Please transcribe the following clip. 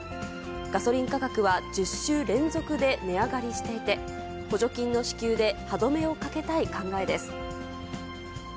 ガソリン価格は１０週連続で値上がりしていて、補助金の支給で歯止めをかけたい考えです。